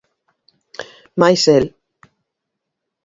Máis el.